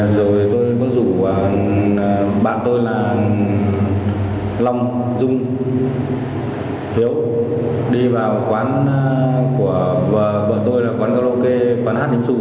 rồi tôi có rủ bạn tôi là long dung hiếu đi vào quán của bọn tôi là quán karaoke quán hát định sử